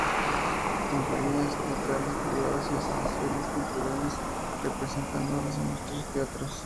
Compañías teatrales privadas y asociaciones culturales representan obras en los tres teatros.